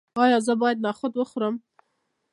ایا زه باید نخود وخورم؟